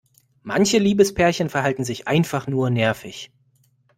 Manche Liebespärchen verhalten sich einfach nur nervig.